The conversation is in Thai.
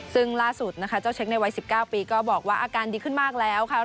ซึ่งล่าสุดนะคะเจ้าเช็คในวัย๑๙ปีก็บอกว่าอาการดีขึ้นมากแล้วค่ะ